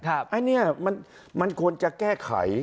ไอ้เนี่ยมันควรจะแก้ไข